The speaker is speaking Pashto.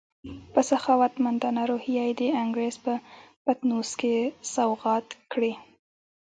په سخاوتمندانه روحیه یې د انګریز په پطنوس کې سوغات کړې.